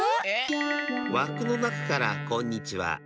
わくのなかからこんにちは。